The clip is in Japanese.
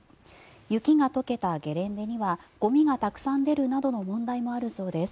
雪が解けたゲレンデではゴミがたくさん出るなどの問題もあるそうです。